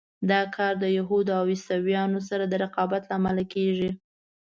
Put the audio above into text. دا کار د یهودو او عیسویانو سره د رقابت له امله کېږي.